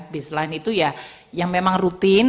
baseline itu ya yang memang rutin